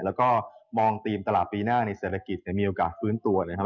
แล้วก็มองธีมตลาดปีหน้าในเศรษฐกิจมีโอกาสฟื้นตัวนะครับ